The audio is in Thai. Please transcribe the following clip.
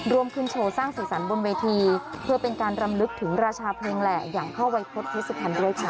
ร่วมขึ้นโชว์สร้างสีสันบนเวทีเพื่อเป็นการรำลึกถึงราชาเพลงแหละอย่างพ่อวัยพฤษพิสุภัณฑ์ด้วยค่ะ